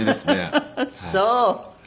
そう。